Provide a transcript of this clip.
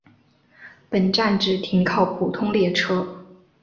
本站只停靠普通列车。